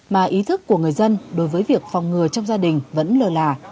mà ý thức của người dân đối với việc phòng ngừa trong gia đình vẫn lờ là